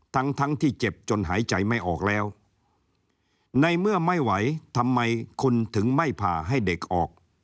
ทั้งทั้งที่เจ็บจนหายใจไม่ออกแล้วในเมื่อไม่ไหวทำไมคุณถึงไม่ผ่าให้เด็กออก